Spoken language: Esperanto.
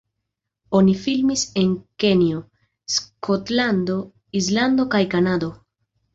Oni filmis en Kenjo, Skotlando, Islando kaj Kanado.